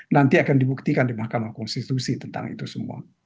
nanti akan dibuktikan di mahkamah konstitusi tentang itu semua